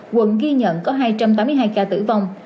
quận ghi nhận có hai trăm tám mươi hai ca tử vong